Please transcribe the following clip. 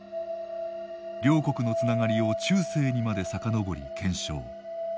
両国のつながりを中世にまでさかのぼり検証。